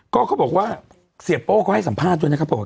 ก็เขาบอกว่าเสียโป้เขาให้สัมภาษณ์ด้วยนะครับบอกว่า